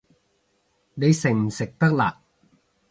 你食唔食得辣